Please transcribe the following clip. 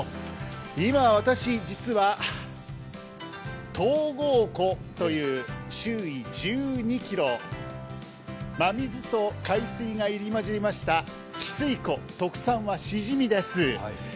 今、私、実は東郷湖という周囲１２ｋｍ、真水と海水が入り交じりました汽水湖、特産はしじみです。